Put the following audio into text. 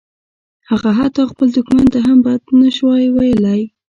هغه حتی خپل دښمن ته هم بد نشوای ویلای